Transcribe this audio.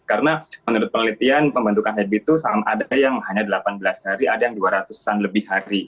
karena menurut penelitian pembentukan habit itu ada yang hanya delapan belas hari ada yang dua ratus an lebih hari